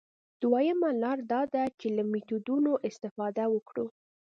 دویمه لاره دا ده چې له میتودونو استفاده وکړو.